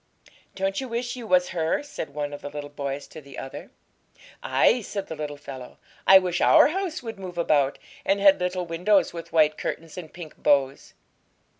'Don't you wish you was her?' said one of the little boys to the other. 'Ay!' said the little fellow; 'I wish our house would move about, and had little windows with white curtains and pink bows!'